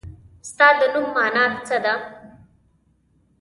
ستا د نوم مانا څه ده ؟